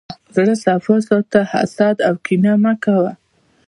زړه صفا ساته، حسد او کینه مه کوه.